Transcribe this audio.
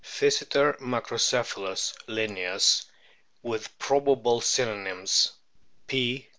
Physeter macrocephalus, Linnaeus* (with probable synonyms : P.